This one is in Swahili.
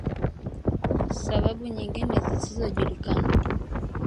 Sababu nyingine zisizojulikana